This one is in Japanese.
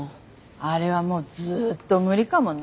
あれはもうずっと無理かもね。